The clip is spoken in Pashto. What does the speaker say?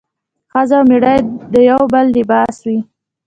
ښځه او مېړه د يو بل لباس وي